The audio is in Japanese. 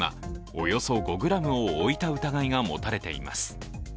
およそ５ｇを置いた疑いが持たれています。